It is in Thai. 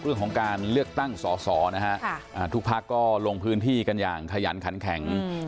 เรื่องของการเลือกตั้งสอสอนะฮะทุกพักก็ลงพื้นที่กันอย่างขยันขันแข็ง